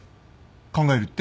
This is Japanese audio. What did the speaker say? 考えるって？